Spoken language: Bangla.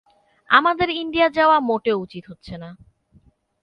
আমাদের ইন্ডিয়া যাওয়া মোটেও উচিত হচ্ছে না।